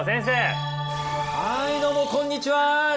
はいどうもこんにちは！